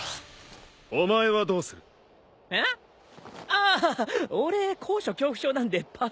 ああ俺高所恐怖症なんでパスパス。